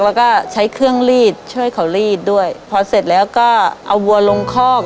แล้วก็ใช้เครื่องรีดช่วยเขาลีดด้วยพอเสร็จแล้วก็เอาวัวลงคอก